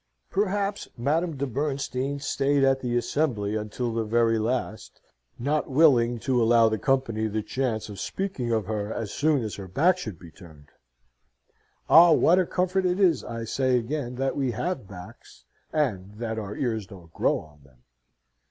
Perhaps Madame de Bernstein stayed at the assembly until the very last, not willing to allow the company the chance of speaking of her as soon as her back should be turned. Ah, what a comfort it is, I say again, that we have backs, and that our ears don't grow on them!